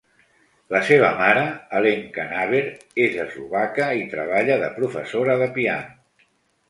La seva mare, Alenka Naber, és eslovaca i treballa de professora de piano.